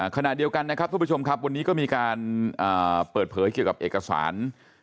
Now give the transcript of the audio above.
ขณะเดียวกันนะครับทุกผู้ชมครับวันนี้ก็มีการเปิดเผยเกี่ยวกับเอกสาร